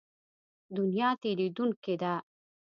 دنیا تېرېدونکې ده.